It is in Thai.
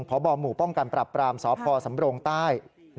พบหมู่ป้องกันปรับปรามสพสำรงใต้